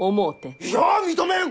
いや認めん！